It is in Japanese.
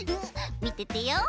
みててよ。